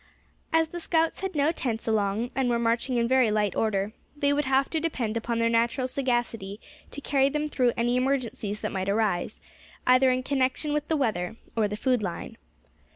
As the scouts had no tents along, and were marching in very light order, they would have to depend upon their natural sagacity to carry them through any emergencies that might arise, either in connection with the weather, or the food line.